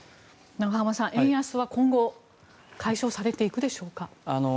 永濱さん、円安は今後解消されていくでしょうか。